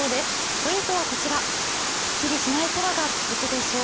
ポイントはこちら、すっきりしない空が続くでしょう。